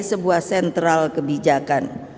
sebuah sentral kebijakan